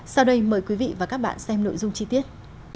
sau đây mời quý vị và các bạn xem nội dung chi tiết